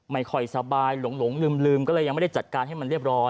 ไม่ค่อยสบายหลงลืมก็เลยยังไม่ได้จัดการให้มันเรียบร้อย